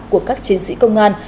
của các chiến sĩ công an